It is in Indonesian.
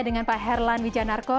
dengan pak herlan wijanarko